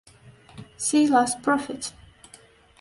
See last prophet.